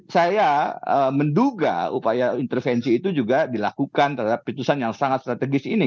saya menduga upaya intervensi itu juga dilakukan terhadap putusan yang sangat strategis ini